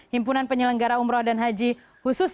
himpunan penyelenggara umroh dan haji khusus